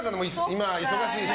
今忙しいし。